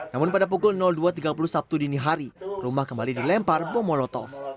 namun pada pukul dua tiga puluh sabtu dini hari rumah kembali dilempar bom molotov